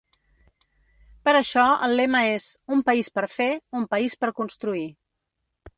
Per això el lema és ‘Un país per fer, un país per construir’.